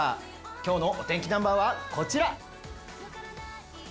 今日のお天気ナンバーはこちら！